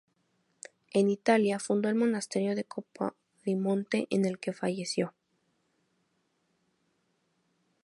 En Italia fundó el Monasterio de Capodimonte en el que falleció.